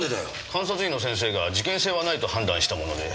監察医の先生が事件性はないと判断したもので。